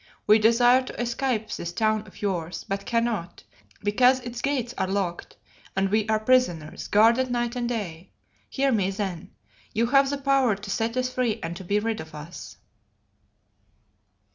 We desire to escape this town of yours, but cannot, because its gates are locked, and we are prisoners, guarded night and day. Hear me, then. You have the power to set us free and to be rid of us."